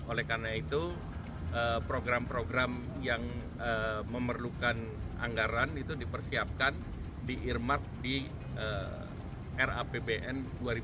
oleh karena itu program program yang memerlukan anggaran itu dipersiapkan diirmat di rapbn dua ribu dua puluh lima